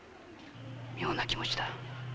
妙な気持ちだ。